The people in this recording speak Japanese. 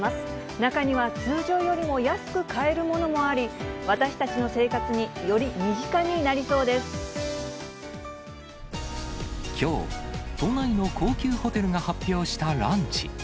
中には通常よりも安く買えるものもあり、私たちの生活によりきょう、都内の高級ホテルが発表したランチ。